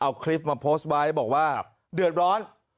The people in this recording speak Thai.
เอาคลิปมาโพสต์ไว้บอกว่าเดือดร้อน